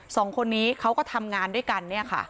สองคนนี้เขาก็ทำงานด้วยกัน